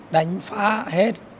đánh phá hết